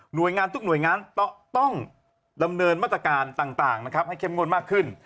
โดยงานทุกหน่วยงานต้องดำเนินมาตรการต่างนะครับให้เข้มงวดมากขึ้น